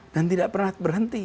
dan tidak pernah berhenti